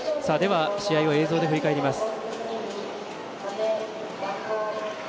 試合を映像で振り返ります。